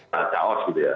kecacauan gitu ya